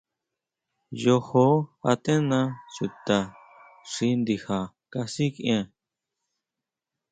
Yojo antena chuta xi ndija kasikʼien.